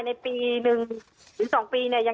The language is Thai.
มันเป็นอาหารของพระราชา